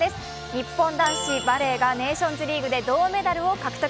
日本男子バレーがネーションズリーグで銅メダルを獲得。